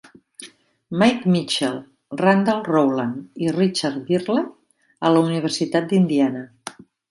Mike Mitchell, Randall Rowland, i Richard Bihrle a la Universitat d'Indiana.